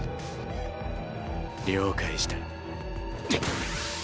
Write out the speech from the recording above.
了解した。